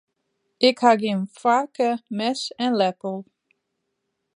Ik ha gjin foarke, mes en leppel.